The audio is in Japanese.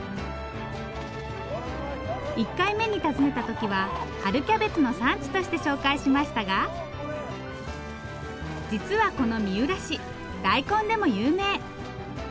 １回目に訪ねた時は春キャベツの産地として紹介しましたが実はこの三浦市大根でも有名。